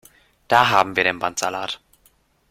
Da haben wir den Bandsalat!